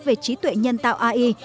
về trí tuệ nhân tạo ai